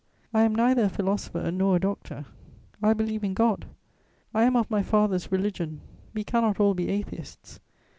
I am neither a philosopher nor a doctor; I believe in God; I am of my father's religion. We cannot all be atheists....